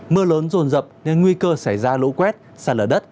mưa lớn rồn rập nên nguy cơ xảy ra lũ quét sạt lở đất